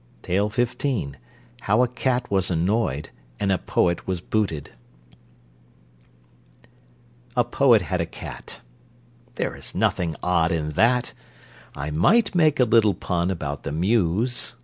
How a Cat Was Annoyed and a Poet Was Booted A poet had a cat. There is nothing odd in that (I might make a little pun about the Mews!)